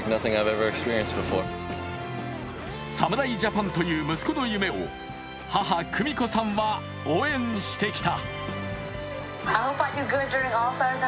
侍ジャパンという息子の夢を、母・久美子さんは応援してきた。